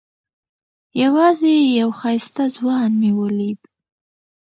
یوازې یو ښایسته ځوان مې ولید.